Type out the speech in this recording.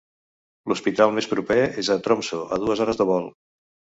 L'hospital més proper és a Tromsø a dues hores de vol.